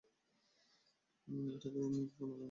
এটা ভাবো মেয়েকে কন্যাদান কে করবে।